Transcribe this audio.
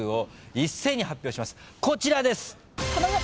こちらです。